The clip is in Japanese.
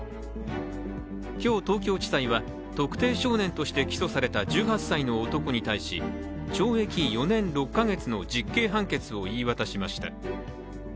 今日、東京地裁は特定少年として起訴された１８歳の男に対し懲役４年６か月の実刑判決を言い渡しました。